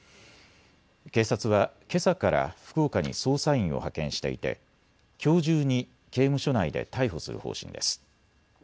警察はけさから福岡に捜査員を派遣していてきょう中に刑務所内で逮捕する方針です。